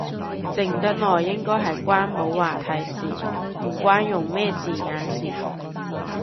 靜得耐應該係關冇話題事，唔關用咩字眼事